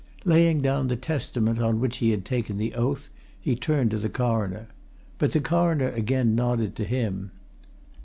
Laying down the Testament on which he had taken the oath, he turned to the Coroner. But the Coroner again nodded to him.